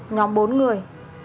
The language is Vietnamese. nhóm bốn người